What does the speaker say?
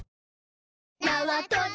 なわとび